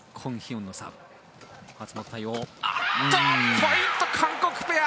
ポイント、韓国ペア。